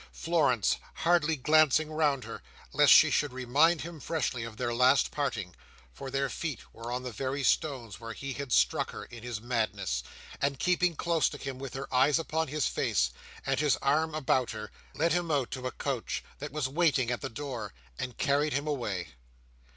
Florence, hardly glancing round her, lest she should remind him freshly of their last parting—for their feet were on the very stones where he had struck her in his madness—and keeping close to him, with her eyes upon his face, and his arm about her, led him out to a coach that was waiting at the door, and carried him away.